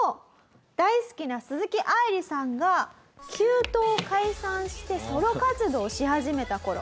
大好きな鈴木愛理さんが℃−ｕｔｅを解散してソロ活動をし始めた頃。